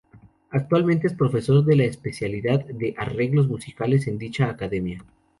Actualmente es profesor de la especialidad de "arreglos musicales" en dicha academia.